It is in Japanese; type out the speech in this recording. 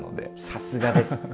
さすがです。